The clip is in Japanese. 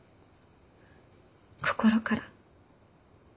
心から。